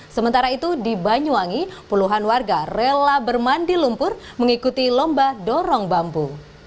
sementara itu di banyuwangi puluhan warga rela bermandi lumpur mengikuti lomba dorong bambu